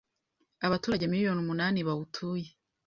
abaturage miliyoni umunani bawutuye